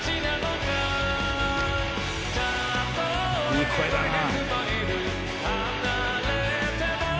いい声だな。